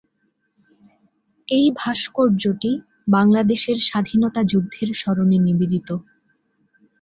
এই ভাস্কর্যটি বাংলাদেশের স্বাধীনতা যুদ্ধের স্মরণে নিবেদিত।